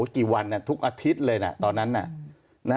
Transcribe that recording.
กี่วันทุกอาทิตย์เลยนะตอนนั้นน่ะ